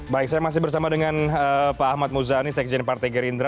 baik saya masih bersama dengan pak ahmad muzani sekjen partai gerindra